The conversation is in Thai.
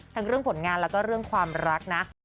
ทั้งเรื่องผลงานแล้วก็เรื่องความรักนะ